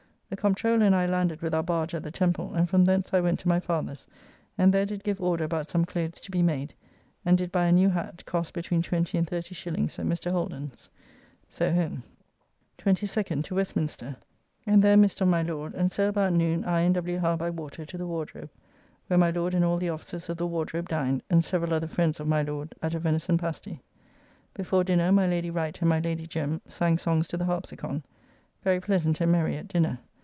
The Comptroller and I landed with our barge at the Temple, and from thence I went to my father's, and there did give order about some clothes to be made, and did buy a new hat, cost between 20 and 30 shillings, at Mr. Holden's. So home. 22nd. To Westminster, and there missed of my Lord, and so about noon I and W. Howe by water to the Wardrobe, where my Lord and all the officers of the Wardrobe dined, and several other friends of my Lord, at a venison pasty. Before dinner, my Lady Wright and my Lady Jem. sang songs to the harpsicon. Very pleasant and merry at dinner.